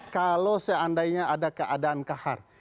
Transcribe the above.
kalau seandainya ada keadaan kahar